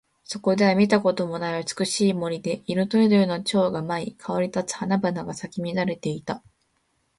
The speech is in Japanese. そこは見たこともない美しい森で、色とりどりの蝶が舞い、香り立つ花々が咲き乱れていた。